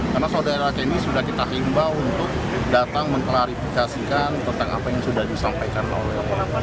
karena saudara kenny sudah kita himba untuk datang mengklarifikasikan tentang apa yang sudah disampaikan oleh